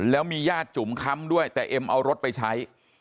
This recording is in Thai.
แล้วมีญาติจุ๋มค้ำด้วยแต่เอ็มเอารถไปใช้